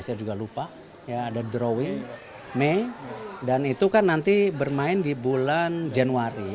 sudah lupa ada drawing mei dan itu kan nanti bermain di bulan januari